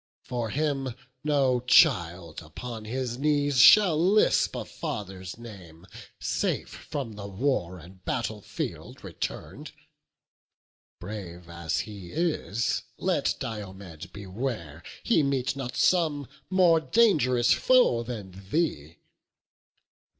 for him no child Upon his knees shall lisp a father's name, Safe from the war and battle field return'd. Brave as he is, let Diomed beware He meet not some more dangerous foe than thee.